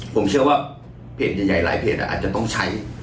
ผมเชื่อว่าเพจใหญ่หลายเพจอาจจะต้องใช้